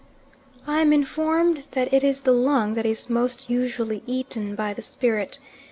I am informed that it is the lung that is most usually eaten by the spirit.